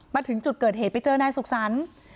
มาถึงจุดเกิดเหตุไปเจอนายสุขสรรค์